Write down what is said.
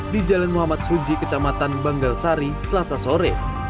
di jalan muhammad suji kecamatan banggalsari selasa sore